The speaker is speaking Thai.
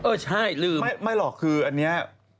เออใช่ลืมไม่หรอกคืออันนี้